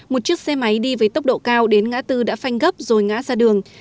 một chiếc xe máy đi với tốc độ cao đến ngã tư đã phanh gấp rồi ngã ra đường